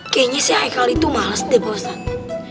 kayaknya si haikal itu males deh pak ustadz